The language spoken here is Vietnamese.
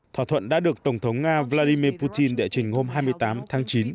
thỏa thuận đã được tổng thống nga vladimir putin đệ trình hôm hai mươi tám tháng chín